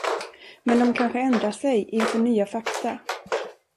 Men de kanske ändrar sig inför nya fakta?